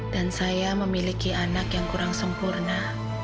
dan saya memiliki anak yang kurang sempurna